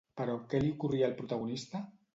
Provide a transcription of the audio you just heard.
Però què li ocorria al protagonista?